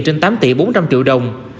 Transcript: trên tám tỷ bốn trăm linh triệu đồng